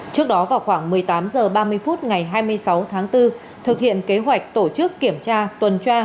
trước đó vào khoảng một mươi tám h ba mươi phút ngày hai mươi sáu tháng bốn thực hiện kế hoạch tổ chức kiểm tra tuần tra